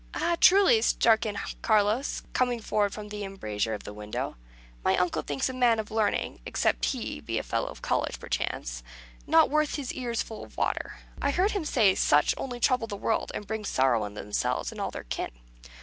"Ay, truly," struck in Carlos, coming forward from the embrasure of the window; "my uncle thinks a man of learning except he be a fellow of college, perchance not worth his ears full of water. I heard him say such only trouble the world, and bring sorrow on themselves and all their kin.